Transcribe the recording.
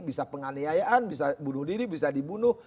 bisa penganiayaan bisa bunuh diri bisa dibunuh